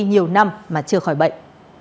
nhiều năm mà chưa khỏi bệnh